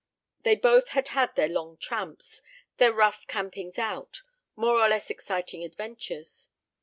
They both had had their long tramps, their rough campings out, more or less exciting adventures.